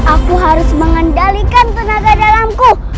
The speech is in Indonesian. aku harus mengendalikan tenaga dalamku